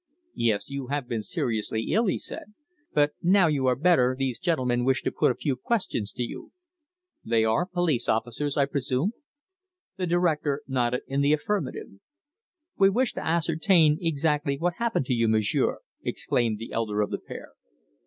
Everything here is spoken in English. "Yes. You have been seriously ill," he said. "But now you are better these gentlemen wish to put a few questions to you." "They are police officers, I presume." The director nodded in the affirmative. "We wish to ascertain exactly what happened to you, monsieur," exclaimed the elder of the pair.